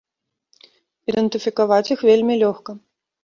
Ідэнтыфікаваць іх вельмі лёгка.